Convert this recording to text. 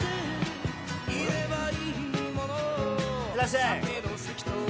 いらっしゃい。